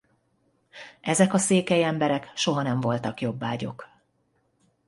Ezek a székely emberek soha nem voltak jobbágyok.